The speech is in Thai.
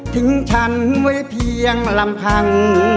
ถึงฉันไว้เพียงลำพัง